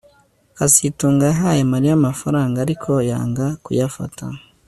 kazitunga yahaye Mariya amafaranga ariko yanga kuyifata